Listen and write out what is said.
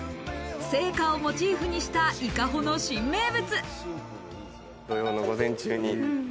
聖火をモチーフにした伊香保の新名物。